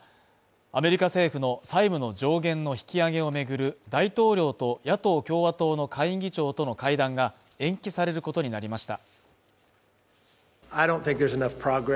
アメリカ政府の債務の上限の引き上げを巡る大統領と野党共和党の下院議長との会談が延期されることになりました。